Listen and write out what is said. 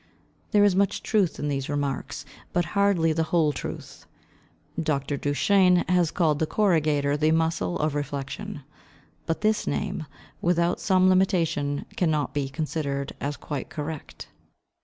There is much truth in these remarks, but hardly the whole truth. Dr. Duchenne has called the corrugator the muscle of reflection; but this name, without some limitation, cannot be considered as quite correct.